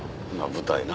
舞台な。